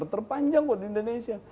terpanjang kok di indonesia